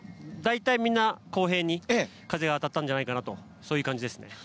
だいたいみんな公平に風が当たったんじゃないかなという感じです。